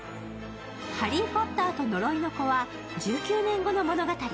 「ハリー・ポッターと呪いの子」は１９年後の物語。